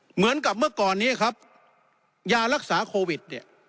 เหมือนกับเมื่อก่อนนี้ครับยารักษาโควิดเนี่ย